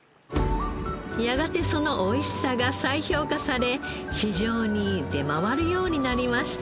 やがてそのおいしさが再評価され市場に出回るようになりました。